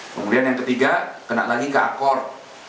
kemudian yang ketiga kena lagi ke akor